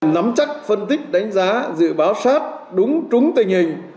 nắm chắc phân tích đánh giá dự báo sát đúng trúng tình hình